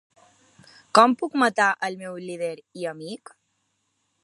Com puc matar el meu líder i amic?